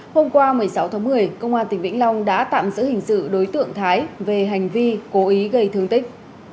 hôm qua một mươi sáu tháng một mươi công an tỉnh vĩnh long đã tạm giữ hình sự đối tượng thái về hành vi cố ý gây thương tích